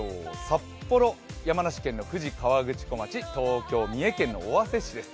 札幌、山梨県の富士河口湖町、東京、三重県の尾鷲市です。